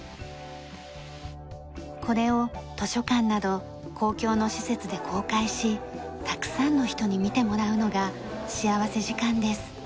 これを図書館など公共の施設で公開したくさんの人に見てもらうのが幸福時間です。